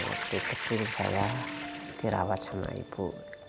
waktu kecil saya dirawat sama ibu